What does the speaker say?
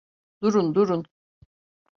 Durun, durun.